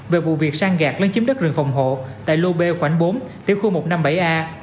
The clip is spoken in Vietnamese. về vụ việc sang gạt lấn chiếm đất rừng phòng hộ tại lô b khoảnh bốn tiểu khu một trăm năm mươi bảy a